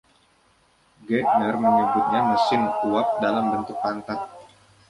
Gairdner menyebutnya 'mesin uap dalam bentuk pantat'.